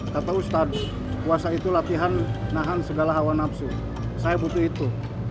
kata ustadz puasa itu latihan nahan segala hawa nafsu saya butuh itu